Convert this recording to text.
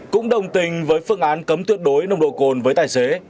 cũng đồng tình với phương án cấm tuyệt đối nồng độ cồn với tài xế